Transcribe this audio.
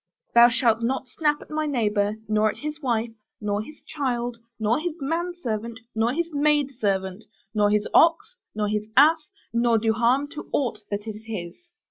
Thou shalt not snap at my neighbor, nor at his wife, nor his child, nor his manservant, nor his maidservant, nor his ox, nor his ass, nor do harm to aught that is his.